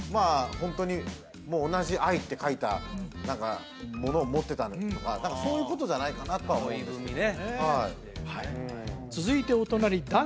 ホントにもう同じ「愛」って書いた何か物を持ってたとかそういうことじゃないかなとは思うんですけどね